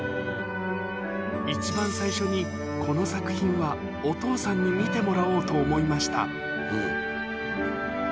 一番最初に、この作品はお父さんに見てもらおうと思いました。